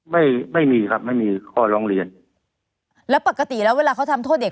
ไม่มีครับไม่มีข้อร้องเรียนแล้วปกติแล้วเวลาเขาทำโทษเด็ก